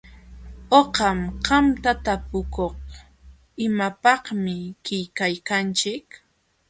Uqam qamta tapukuk: ¿Imapaqmi qillqaykanchik?